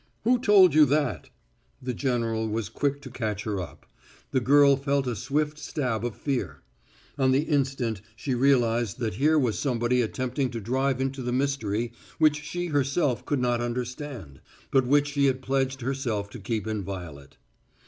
"Who told you that?" The general was quick to catch her up. The girl felt a swift stab of fear. On the instant she realized that here was somebody attempting to drive into the mystery which she herself could not understand, but which she had pledged herself to keep inviolate.